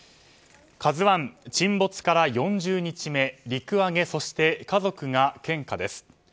沈没から４０日目陸揚げ、そして家族が献花です。